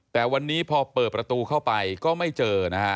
แต่วันนี้พอเปิดประตูเข้าไปก็ไม่เจอนะฮะ